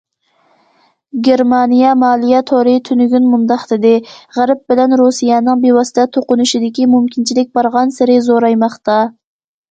گېرمانىيە مالىيە تورى تۈنۈگۈن مۇنداق دېدى: غەرب بىلەن رۇسىيەنىڭ بىۋاسىتە توقۇنۇشىدىكى مۇمكىنچىلىك بارغانسېرى زورايماقتا.